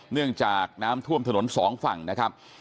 เนื่องจากน้ำท่วมถนนสองฝั่งนะครับ